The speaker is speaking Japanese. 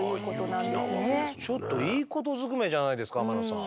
ちょっといいことずくめじゃないですか天野さん。